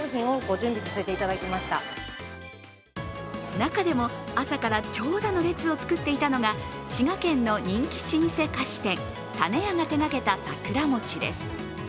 中でも朝から長蛇の列を作っていたのが、滋賀県の人気菓子店たねやが手がけた桜餅です。